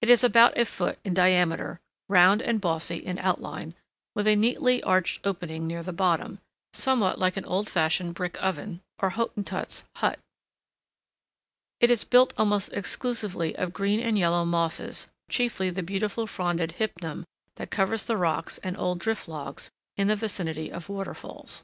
It is about a foot in diameter, round and bossy in outline, with a neatly arched opening near the bottom, somewhat like an old fashioned brick oven, or Hottentot's hut. It is built almost exclusively of green and yellow mosses, chiefly the beautiful fronded hypnum that covers the rocks and old drift logs in the vicinity of waterfalls.